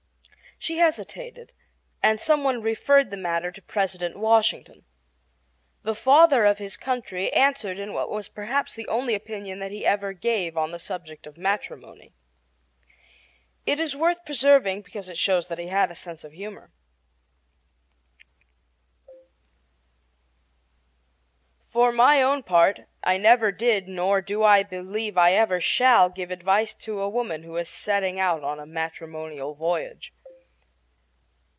She hesitated, and some one referred the matter to President Washington. The Father of his Country answered in what was perhaps the only opinion that he ever gave on the subject of matrimony. It is worth preserving because it shows that he had a sense of humor: For my own part, I never did nor do I believe I ever shall give advice to a woman who is setting out on a matrimonial voyage...